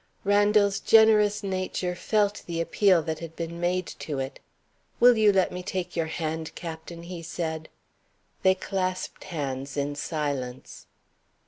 Randal's generous nature felt the appeal that had been made to it. "Will you let me take your hand, Captain?" he said. They clasped hands in silence.